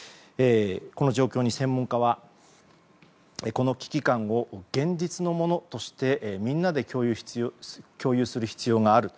この状況に専門家はこの危機感を現実のものとしてみんなで共有する必要がある。